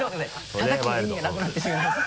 たたきの意味がなくなってしまいます。